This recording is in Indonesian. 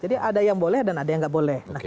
jadi ada yang boleh dan ada yang nggak boleh